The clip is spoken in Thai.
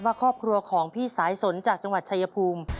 ครอบครัวของพี่สายสนจากจังหวัดชายภูมิ